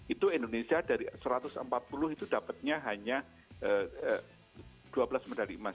itu indonesia dari satu ratus empat puluh itu dapatnya hanya dua belas medali emas